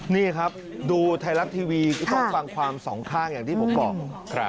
นี่ครับดูไทยรัฐทีวีก็ต้องฟังความสองข้างอย่างที่ผมบอก